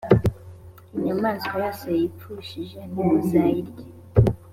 inyamaswa yose yipfushije, ntimuzayirye: